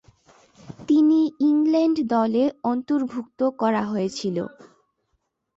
তিনি ইংল্যান্ড দলে অন্তর্ভুক্ত করা হয়েছিল।